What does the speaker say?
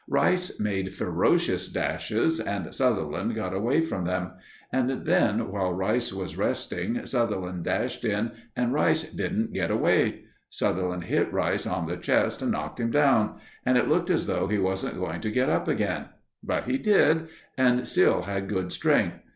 Rice made ferocious dashes and Sutherland got away from them; and then, while Rice was resting, Sutherland dashed in and Rice didn't get away. Sutherland hit Rice on the chest and knocked him down, and it looked as though he wasn't going to get up again; but he did, and still had good strength.